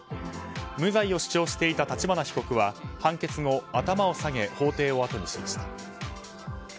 無罪を主張していた立花被告は判決後、頭を下げ法廷をあとにしました。